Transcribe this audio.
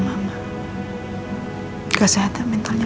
sama kala punya f durante perubahan llega t